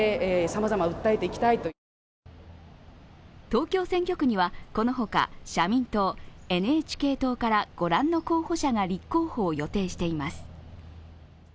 東京選挙区には、このほか、社民党、ＮＨＫ党から御覧の候補者が立候補を予定しています。